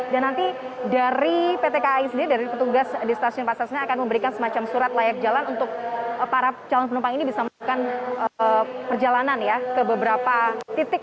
dan nanti dari pt kai sendiri dari petugas di stasiun pasar senen akan memberikan semacam surat layak jalan untuk para calon penumpang ini bisa melakukan perjalanan ya ke beberapa titik